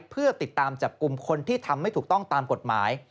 เพื่อติดตามจับกลุ่มคนที่ทำไม่ถูกต้องตามกฎหมาย